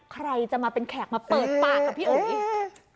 ใครจะมาเป็นแขกมาเปิดปากกับพี่อุ๋ย